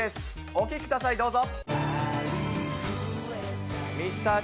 お聴きください、どうぞ。